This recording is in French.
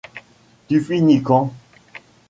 Tu finis quand ?